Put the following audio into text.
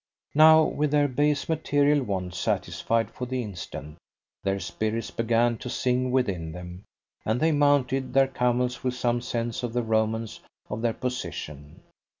Now, with their base material wants satisfied for the instant, their spirits began to sing within them, and they mounted their camels with some sense of the romance of their position.